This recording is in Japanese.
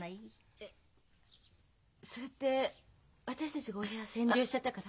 えっそれって私たちがお部屋占領しちゃったから？